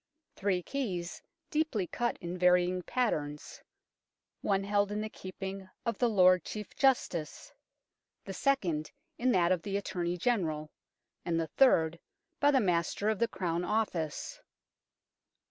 Three keys, deeply cut in varying patterns, one held in the keeping of the Lord Chief Justice, the second in that of the Attorney General, and the third by the Master of the Crown Office.